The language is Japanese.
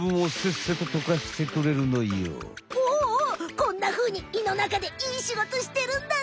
こんなふうに胃のなかでいいしごとしてるんだね。